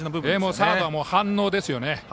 サードは反応ですよね。